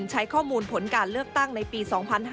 ใช้ข้อมูลผลการเลือกตั้งในปี๒๕๕๙